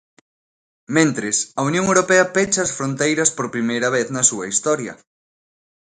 Mentres, a Unión Europea pecha as fronteiras por primeira vez na súa historia.